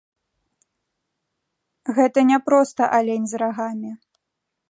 Гэта не проста алень з рагамі.